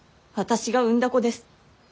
私が産んだ子です。